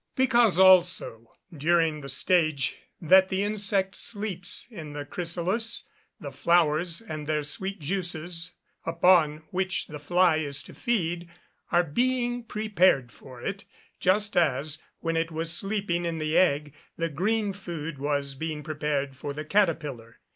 Because, also, during the stage that the insect sleeps in the chrysalis, the flowers and their sweet juices, upon, which the fly is to feed, are being prepared for it, just as, when it was sleeping in the egg, the green food was being prepared for the caterpillar.